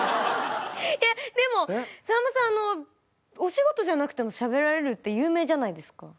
でもさんまさんお仕事じゃなくてもしゃべられるって有名じゃないですか。